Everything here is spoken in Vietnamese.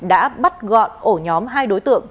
đã bắt gọn ổ nhóm hai đối tượng